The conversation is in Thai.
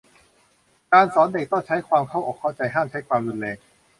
การสอนเด็กต้องใช้ความเข้าอกเข้าใจ ห้ามใช้ความรุนแรง